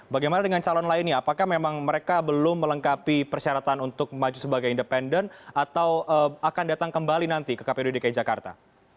bagaimana dengan calon lainnya apakah memang mereka belum melengkapi persyaratan untuk maju sebagai independen atau akan datang kembali nanti ke kpud dki jakarta